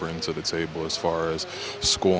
dan saya bisa bekerja dari itu